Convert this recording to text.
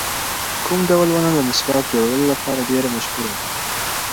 کوم ډول ونه د مسواک جوړولو لپاره ډېره مشهوره ده؟